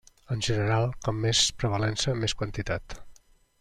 En general, com més prevalença, més quantitat.